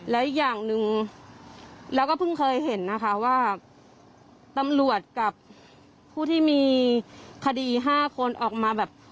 และอีกอย่างหนึ่งเราก็เพิ่งเคยเห็นนะคะว่าตำรวจกับผู้ที่มีคดี๕คนออกมาแบบ